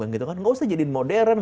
gak usah jadiin modern